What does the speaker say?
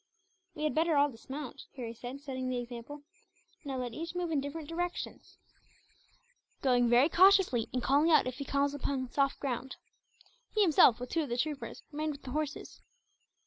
"We had better all dismount," Harry said, setting the example. "Now, let each move in different directions, going very cautiously, and calling out if he comes upon soft ground." He himself, with two of the troopers, remained with the horses.